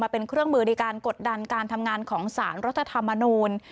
เป็นเครื่องมือในการกดดันการทำงานของสารรัฐธรรมนูล